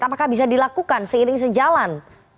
apakah bisa dilakukan seiring sejalan